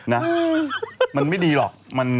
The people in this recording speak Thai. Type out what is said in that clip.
นะมันไม่ดีหรอก